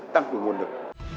tăng cường nguồn lực